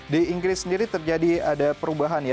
di inggris sendiri terjadi ada perubahan ya